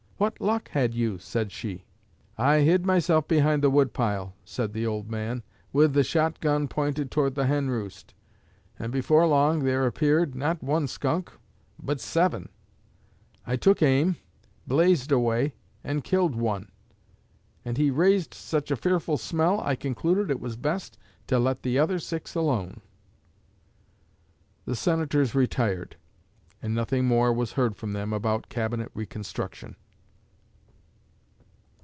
'What luck had you?' said she. 'I hid myself behind the woodpile,' said the old man, 'with the shot gun pointed toward the hen roost, and before long there appeared, not one skunk, but seven. I took aim, blazed away, and killed one and he raised such a fearful smell I concluded it was best to let the other six alone.'" The Senators retired, and nothing more was heard from them about Cabinet reconstruction.